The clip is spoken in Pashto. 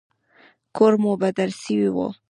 کور مو بدل سوى و.